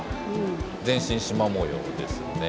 全身しま模様ですね。